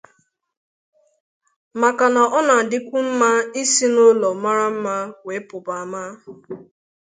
maka na ọ na-adịkwanụ mma isi n'ụlọ mara mma wee pụba ama.